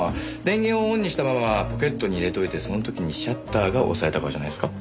電源をオンにしたままポケットに入れといてその時にシャッターが押されたからじゃないですか？